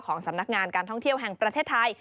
สำนักงานการท่องเที่ยวแห่งประเทศไทย